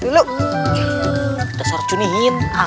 kita suruh cunihin